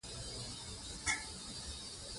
د درملنې ګډه طریقه اغېزمنه ده.